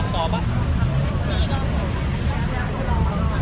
สวัสดีค่ะ